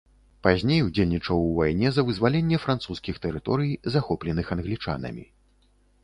Пазней удзельнічаў у вайне за вызваленне французскіх тэрыторый, захопленых англічанамі.